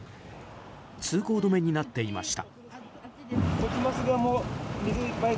通行止めになっていました。